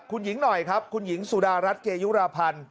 คุณหญิงหน่อยครับคุณหญิงสุดารัฐเกยุราพันธ์